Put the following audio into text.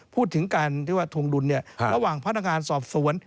พูดถึงการทงดุลระหว่างพนักงานสอบสวน